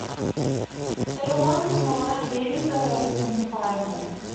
They won the tournament, beating the hosts in the final.